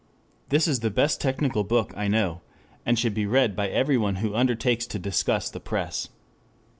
This is the best technical book I know, and should be read by everyone who undertakes to discuss the press.